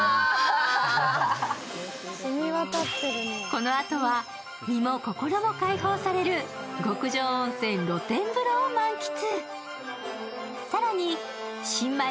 このあとは身も心も開放される極上温泉露天風呂を満喫。